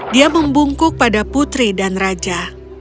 dia membungkuk pada putri dan raja